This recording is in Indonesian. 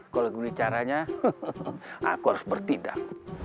kalau gini caranya aku harus bertindak